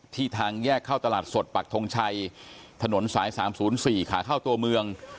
ทางแยกเข้าตลาดสดปักทงชัยถนนสาย๓๐๔ขาเข้าตัวเมือง